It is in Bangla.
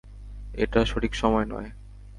এটা সঠিক সময় নয়।